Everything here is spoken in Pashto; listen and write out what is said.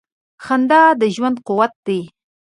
• خندا د ژوند قوت دی.